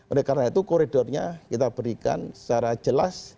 oleh karena itu koridornya kita berikan secara jelas